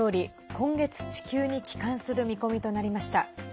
今月、地球に帰還する見込みとなりました。